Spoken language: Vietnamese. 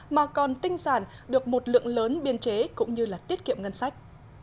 mà còn tinh giản được một lượng lớn biên chế cũng như tiết kiệm ngân sách